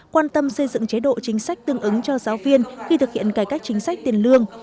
quan tâm xây dựng chế độ chính sách tương ứng cho giáo viên khi thực hiện cải cách chính sách tiền lương